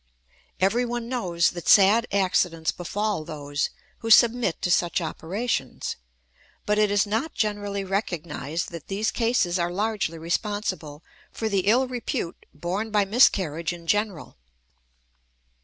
Everyone knows that sad accidents befall those who submit to such operations; but it is not generally recognized that these cases are largely responsible for the ill repute borne by miscarriage in general.